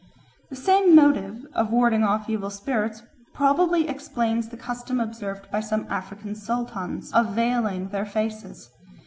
The same motive of warding off evil spirits probably explains the custom observed by some African sultans of veiling their faces.